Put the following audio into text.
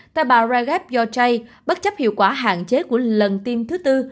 tại bà jaref yotray bất chấp hiệu quả hạn chế của lần tiêm thứ tư